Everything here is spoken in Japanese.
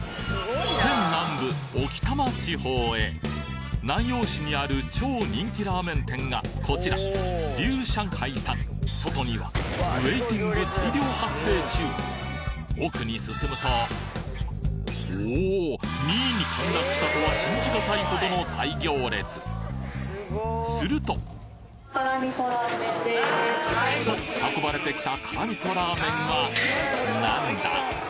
県南部置賜地方へ南陽市にある超人気ラーメン店がこちら龍上海さん外にはウエイティング大量発生中奥に進むとおお２位に陥落したとは信じがたいほどの大行列するとと運ばれてきたからみそラーメンは何だ？